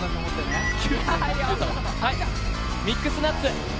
「ミックスナッツ」！